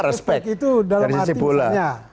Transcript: respect itu dalam arti istrinya